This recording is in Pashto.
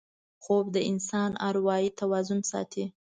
خوب د انسان اروايي توازن ساتي